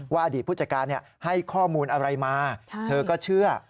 อดีตผู้จัดการให้ข้อมูลอะไรมาเธอก็เชื่อ